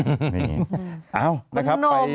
เป็นนม